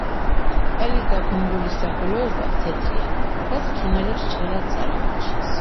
ყელი და ბუმბულის დაბოლოება თეთრია, რაც ფრინველებს ჭრელად წარმოაჩენს.